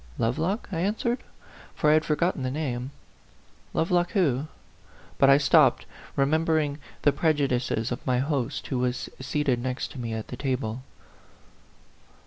"Lovelock?" I answered, for I had forgot ten the name. "Lovelock, who " But I stopped, remembering the prejudices of my host, who was seated next to me at table.